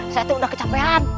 saya sudah kecapean